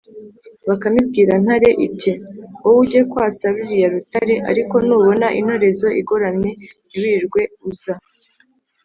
bakame ibwira ntare iti: ‘wowe ujye kwasa ruriya rutare, ariko nubona intorezo igoramye ntiwirirwe uza!’